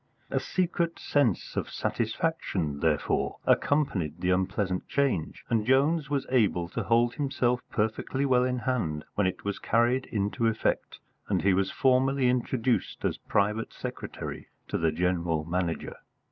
A secret sense of satisfaction, therefore, accompanied the unpleasant change, and Jones was able to hold himself perfectly well in hand when it was carried into effect and he was formally introduced as private secretary to the General Manager.